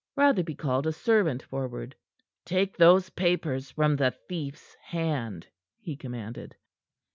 Rotherby called a servant forward. "Take those papers from the thief's hand," he commanded.